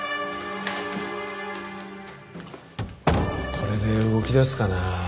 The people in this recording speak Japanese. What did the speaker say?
これで動きだすかな？